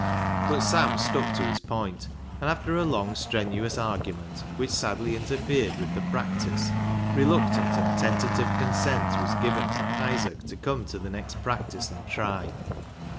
But Sam stuck to his point, and after a long strenuous argument, v\hich sadly interfered with the practice, reluctant and tentative consent was given for Isaac to come to the next practice and try.